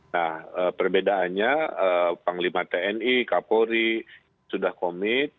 nah perbedaannya panglima tni kapolri sudah komit